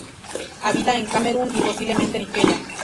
Habita en Camerún y posiblemente Nigeria.